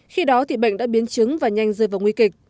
khi đó thì bệnh đã biến chứng và nhanh rơi vào nguy kịch